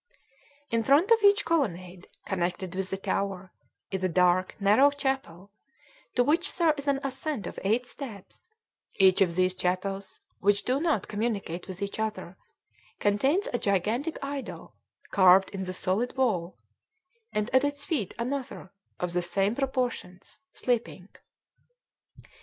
In front of each colonnade connected with the tower is a dark, narrow chapel, to which there is an ascent of eight steps; each of these chapels (which do not communicate with each other) contains a gigantic idol, carved in the solid wall, and at its feet another, of the same proportions, sleeping.